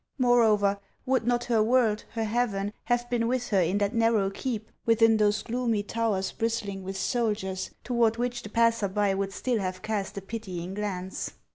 Moreover, would not her world, her heaven, have 2UO HANS OF ICELAND. been with her in that narrow keep, within those gloomy towers bristling with soldiers, toward which the passer by would still have cast a pitying glance